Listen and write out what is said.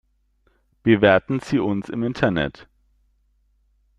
Bewerten Sie uns im Internet!